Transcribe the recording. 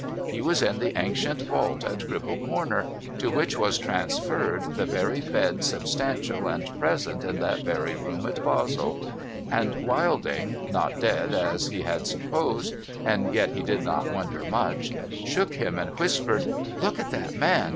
He was in the ancient vault at Cripple Corner, to which was transferred the very bed substantial and present in that very room at Basle ; and \\'ilding (not dead, as he had supposed, and yet he did not wonder much) shook him, and whispered, ' Look at that man